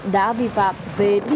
đã bị phá hủy xe tải